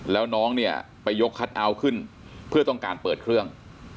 แล้วน้องเนี่ยไปยกคัทเอาท์ขึ้นเพื่อต้องการเปิดเครื่อง